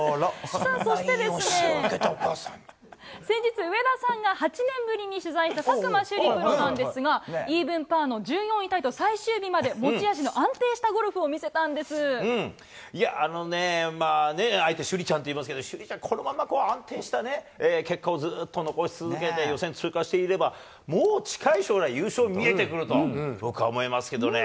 そしてですね、先日、上田さんが８年ぶりに取材した佐久間朱莉プロなんですが、イーブンタイの１４位に、最終日まで持ち味の安定したゴルフを見合えて朱莉ちゃんって言いますけど、朱莉ちゃん、このまま安定して、結果をずっと残し続けて予選通過していれば、もう近い将来、優勝見えてくると、僕は思いますけどね。